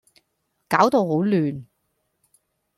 攪到好亂